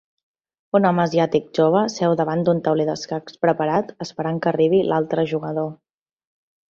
Un home asiàtic jove seu davant d'un tauler d'escacs preparat esperant que arribi l'altre jugador